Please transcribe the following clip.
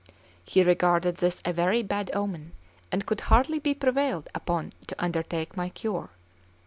He regarded this as a very bad omen, and could hardly be prevailed upon to undertake my cure.